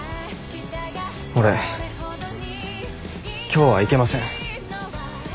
俺今日は行けません。